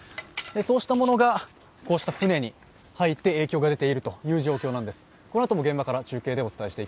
そうしたものが船に入って影響が出ているという状況なんです。